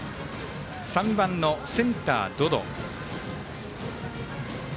３番のセンター、百々。